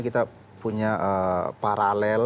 kita punya paralel